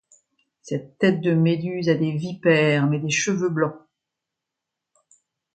Cette tête de Méduse a des vipères, mais des cheveux blancs.